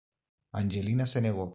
Angelina se negó.